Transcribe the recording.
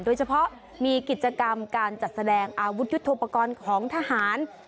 โดยเฉพาะมีกิจกรรมการจัดแสดงอาวุธยุทธโปรกรณ์ของทหาร